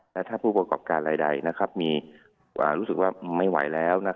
และถ้าผู้ประกอบการรายใดรู้สึกว่าไม่ไหวแล้ว